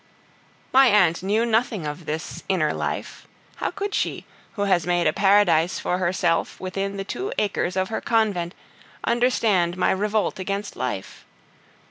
My aunt knew nothing of this inner life. How could she, who has made a paradise for herself within the two acres of her convent, understand my revolt against life?